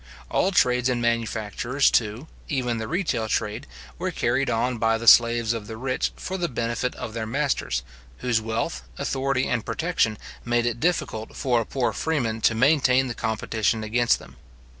All trades and manufactures, too, even the retail trade, were carried on by the slaves of the rich for the benefit of their masters, whose wealth, authority, and protection, made it difficult for a poor freeman to maintain the competition against them.